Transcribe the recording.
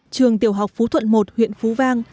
trường tiểu học phú thuận một huyện phú vang